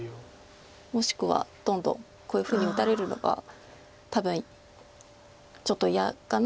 もしくはどんどんこういうふうに打たれるのが多分ちょっと嫌かなと思って。